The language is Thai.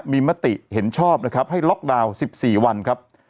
มีมติเห็นชอบนะครับให้ล็อกดาวน์๑๔วันครับ